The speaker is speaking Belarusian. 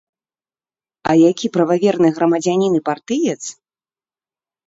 А які прававерны грамадзянін і партыец!